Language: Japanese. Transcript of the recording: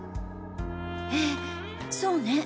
ええそうね。